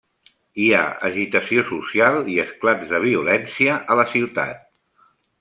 Hi ha agitació social i esclats de violència a la ciutat.